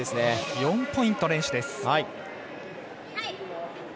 ４ポイント連取です。